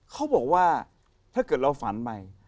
เขาบอกว่าถ้าเกิดเราฝันไป